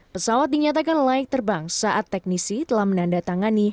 pesawat dinyatakan layak terbang saat teknisi telah menandatangani